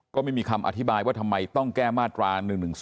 ก็ไม่มีคำอธิบายว่าทำไมต้องแก้มาตรา๑๑๒